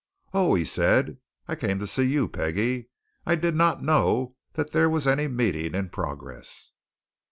"Oh!" he said. "I came to see you, Peggie I did not know that there was any meeting in progress."